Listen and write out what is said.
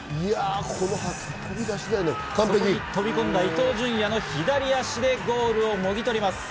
そこに飛び込んだ伊東純也の左足でゴールをもぎ取ります。